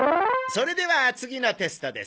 それでは次のテストです。